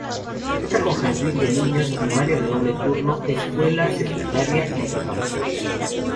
Cuenta con jardín de niños, primaria de doble turno, escuela secundaria y preparatoria.